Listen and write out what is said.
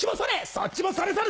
そっちもそれそれ！